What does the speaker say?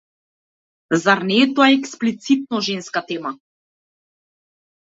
Зар не е тоа експлицитно женска тема?